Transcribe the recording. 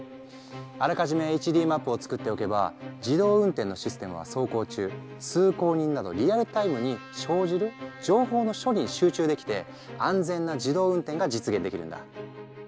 あらかじめＨＤマップを作っておけば自動運転のシステムは走行中通行人などリアルタイムに生じる情報の処理に集中できて安全な自動運転が実現できるんだ。